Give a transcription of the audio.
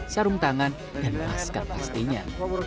sarung tangan dan masker pastinya